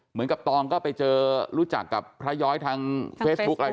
เหมือนกัปตรองก็ไปเจอรู้จักกับพระย้อยทางเฟซบุ๊กไทย